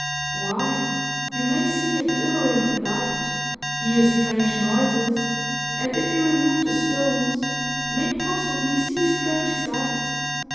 "Why, you may see a glimmering of light hear strange noises; and if you remove the stones, may possibly see strange sights.